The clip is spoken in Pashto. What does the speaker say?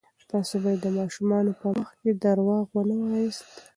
تاسې باید د ماشومانو په مخ کې درواغ ونه وایاست.